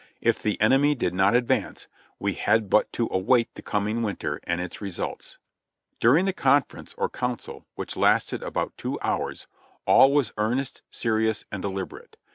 If the enemy did not advance, we had but to await the coming winter and its results. During the conference, or council, which lasted about two hours, all was earnest, serious and deliberate.